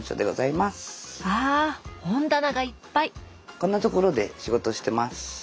こんなところで仕事してます。